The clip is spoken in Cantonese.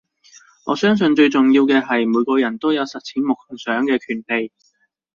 我相信最重要嘅係每個人都有實踐夢想嘅權利